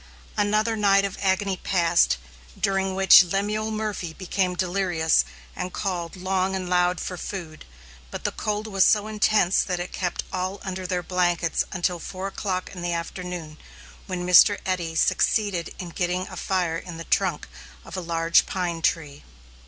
Another night of agony passed, during which Lemuel Murphy became delirious and called long and loud for food; but the cold was so intense that it kept all under their blankets until four o'clock in the afternoon, when Mr. Eddy succeeded in getting a fire in the trunk of a large pine tree.